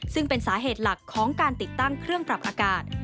ซึ่งเป็นสาเหตุหลักของการติดตั้งเครื่องปรับอากาศ